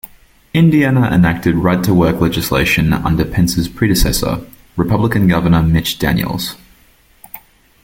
Indiana enacted right-to-work legislation under Pence's predecessor, Republican governor Mitch Daniels.